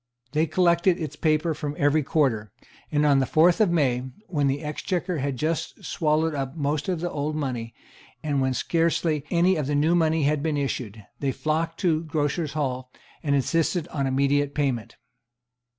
They collected its paper from every quarter; and on the fourth of May, when the Exchequer had just swallowed up most of the old money, and when scarcely any of the new money had been issued, they flocked to Grocers' Hall, and insisted on immediate payment.